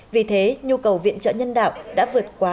vì thế nhu cầu viện trợ nhân đạo đã vượt quá